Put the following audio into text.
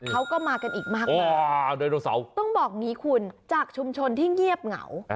เขาก็มากันอีกมากมายต้องบอกอย่างนี้คุณจากชุมชนที่เงียบเหงา